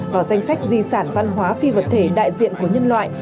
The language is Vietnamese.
vào danh sách di sản văn hóa phi vật thể đại diện của nhân loại